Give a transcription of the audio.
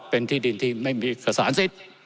เป็นที่ดินที่ไม่มีเอกสารสิทธิ์